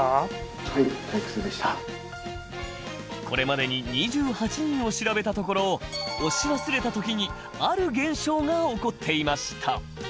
これまでに２８人を調べたところ押し忘れた時にある現象が起こっていました。